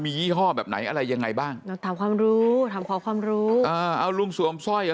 มียี่ห้อแบบไหนอะไรยังไงบ้างเราถามความรู้ถามขอความรู้อ่าเอาลุงสวมสร้อยเหรอ